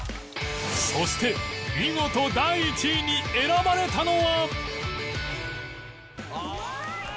そして見事第１位に選ばれたのは